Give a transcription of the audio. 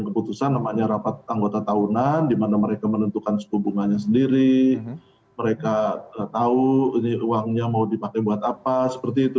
keputusan namanya rapat anggota tahunan di mana mereka menentukan suku bunganya sendiri mereka tahu ini uangnya mau dipakai buat apa seperti itu